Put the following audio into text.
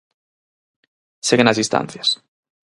Seguen as distancias.